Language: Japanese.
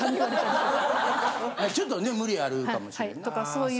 まあちょっとね無理あるかもしれん。